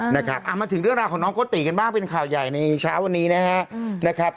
นะครับมาถึงเรื่องราวของน้องโกติกันบ้างเป็นข่าวใหญ่ในเช้าวันนี้นะครับ